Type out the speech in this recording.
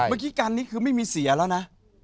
เมื่อกี้กันนี้คือไม่มีเสียแล้วนะ